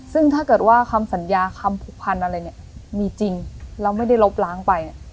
ซึ่งถ้าเกิดว่าคำสัญญาคำผูกพันอะไรเนี่ยมีจริงแล้วไม่ได้ลบล้างไป